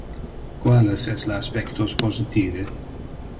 Quales es le aspectos positive?